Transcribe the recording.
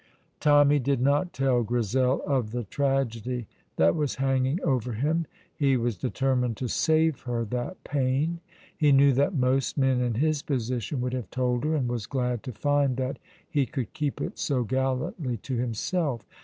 Tommy did not tell Grizel of the tragedy that was hanging over him. He was determined to save her that pain. He knew that most men in his position would have told her, and was glad to find that he could keep it so gallantly to himself.